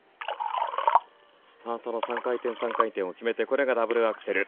スタートの３回転３回転を決めてこれがダブルアクセル。